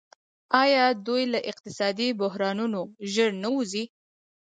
آیا دوی له اقتصادي بحرانونو ژر نه وځي؟